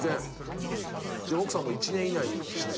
奥さん１年以内に復帰したい。